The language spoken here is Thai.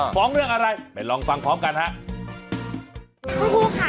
ฟ้องเรื่องอะไรไปลองฟังพร้อมกันครับ